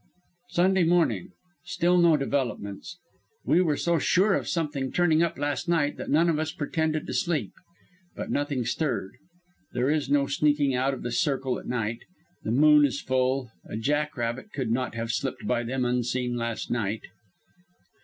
"Sunday morning. Still no developments. We were so sure of something turning up last night that none of us pretended to sleep. But nothing stirred. There is no sneaking out of the circle at night. The moon is full. A jack rabbit could not have slipped by them unseen last night.